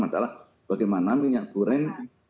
adalah bagaimana minyak goreng